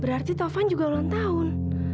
berarti taufan juga ulang tahun